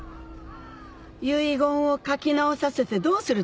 遺言を書き直させてどうするつもり？